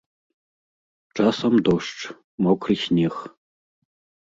Часам дождж, мокры снег.